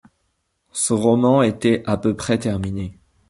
Son roman était à peu près terminé.